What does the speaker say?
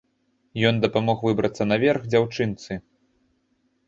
Ён дапамог выбрацца наверх дзяўчынцы.